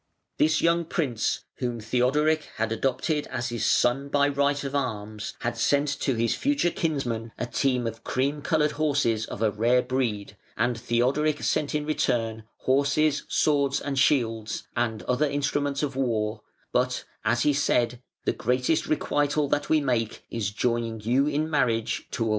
This young prince, whom Theodoric had adopted as his "son by right of arms" had sent to his future kinsman a team of cream coloured horses of a rare breed, and Theodoric sent in return horses, swords and shields, and other instruments of war, but, as he said, "the greatest requital that we make is joining you in marriage to a woman of such surpassing beauty as our niece".